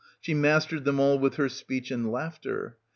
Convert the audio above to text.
She mastered them all with her speech and laughter.